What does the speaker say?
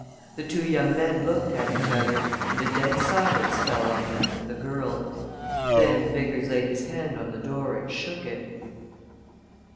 The two young men looked at each other, and a dead silence fell on them and the girl. Then Vickers laid his hand on the door and shook it.